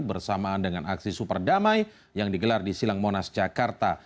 bersamaan dengan aksi super damai yang digelar di silang monas jakarta